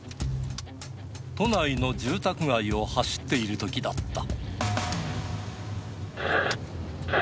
都内の住宅街を走っているときだった。